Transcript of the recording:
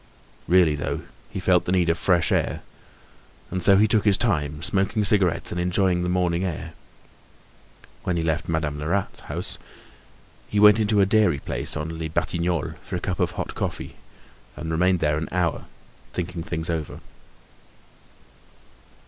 Really though, he felt the need of fresh air, and so he took his time, smoking cigarettes and enjoying the morning air. When he left Madame Lerat's house, he went into a dairy place on Les Batignolles for a cup of hot coffee and remained there an hour, thinking things over.